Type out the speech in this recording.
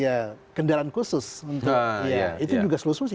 ya kendaraan khusus untuk ya itu juga solusi